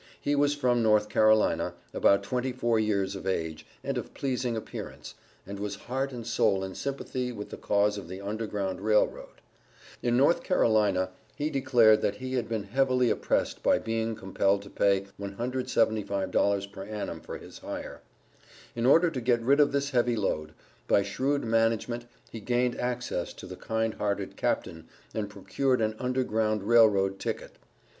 He was from North Carolina, about twenty four years of age, and of pleasing appearance, and was heart and soul in sympathy with the cause of the Underground Rail Road. In North Carolina he declared that he had been heavily oppressed by being compelled to pay $175 per annum for his hire. In order to get rid of this heavy load, by shrewd management he gained access to the kind hearted Captain and procured an Underground Rail Road ticket.